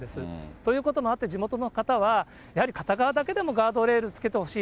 ということもあって、地元の方はやはり片側だけでもガードレールつけてほしい。